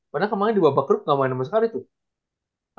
padahal kemarin di babak grup nggak main sama sekali tuh